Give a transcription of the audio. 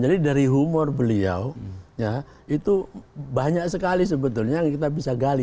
jadi dari humor beliau itu banyak sekali sebetulnya yang kita bisa gali